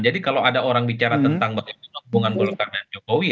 jadi kalau ada orang bicara tentang hubungan golkar dan jokowi